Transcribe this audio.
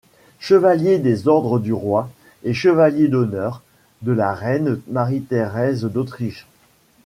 Chevalier des ordres du roi et chevalier d'honneur de la reine Marie-Thérèse d'Autriche.